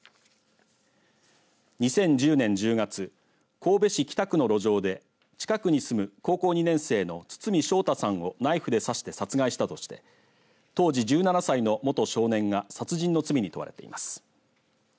２０１０年１０月神戸市北区の路上で近くに住む高校２年生の堤将太さんをナイフで刺して殺害したとして当時１７歳の元少年が殺人の罪に問われています。